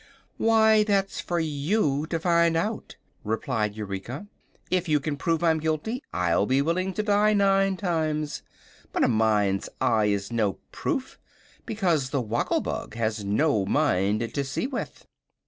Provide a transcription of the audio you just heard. "Why, that's for you to find out," replied Eureka. "If you can prove I'm guilty, I'll be willing to die nine times, but a mind's eye is no proof, because the Woggle Bug has no mind to see with."